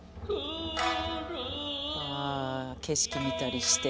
あ景色見たりして。